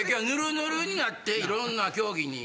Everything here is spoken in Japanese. ぬるぬるになっていろんな競技。